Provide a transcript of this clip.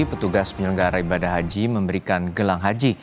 petugas penyelenggara ibadah haji memberikan gelang haji